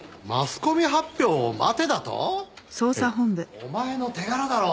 お前の手柄だろう。